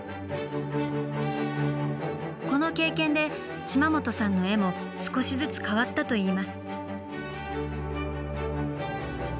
この経験で島本さんの絵も少しずつ変わったといいます。